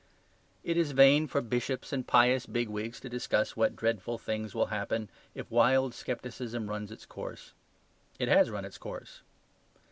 It is vain for bishops and pious bigwigs to discuss what dreadful things will happen if wild scepticism runs its course. It has run its course.